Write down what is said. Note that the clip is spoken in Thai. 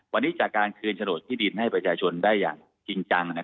วันนี้จากการคืนโฉนดที่ดินให้ประชาชนได้อย่างจริงจัง